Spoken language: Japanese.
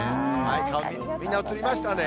顔、みんな映りましたね。